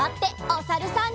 おさるさん。